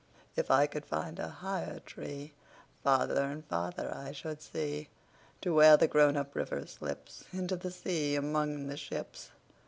If I could find a higher treeFarther and farther I should see, To where the grown up river slipsInto the sea among the ships.